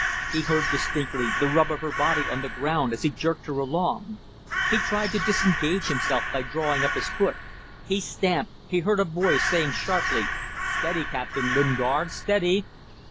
He heard distinctly the rub of her body on the ground as he jerked her along. He tried to disengage himself by drawing up his foot. He stamped. He heard a voice saying sharply "Steady, Captain Lingard, steady!"